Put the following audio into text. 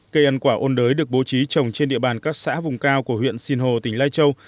cây ăn quả ôn đới được bố trí trồng trên địa bàn các xã vùng cao của huyện sinh hồ tỉnh lai châu